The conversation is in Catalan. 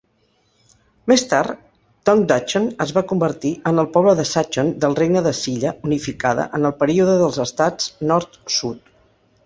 Més tard, Dongducheon es va convertir en el poble de Sacheon del regne de Silla unificada en el període dels estats nord-sud.